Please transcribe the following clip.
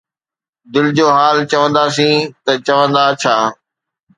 دل جو حال چونداسين، ته چوندا ”ڇا“؟